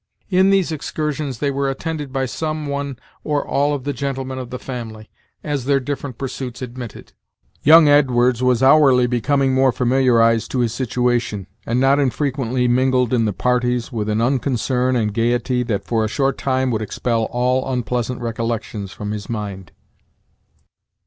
In these excursions they were attended by some one or all of the gentlemen of the family, as their different pursuits admitted. Young Edwards was hourly becoming more familiarized to his situation, and not infrequently mingled in the parties with an unconcern and gayety that for a short time would expel all unpleasant recollections from his mind.